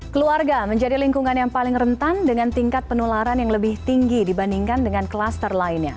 keluarga menjadi lingkungan yang paling rentan dengan tingkat penularan yang lebih tinggi dibandingkan dengan klaster lainnya